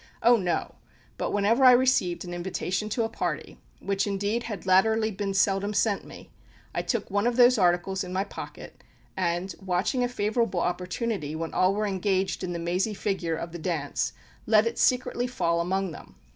Oh! no; but whenever I received an invitation to a party which indeed had latterly been seldom sent me I took one of these articles in my pocket, and, watching a favourable opportunity when all were engaged in the mazy figure of the dance, let it secretly fall amongst them.